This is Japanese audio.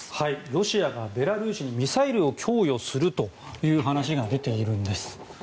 ロシアがベラルーシにミサイルを供与するという話が出ているんです。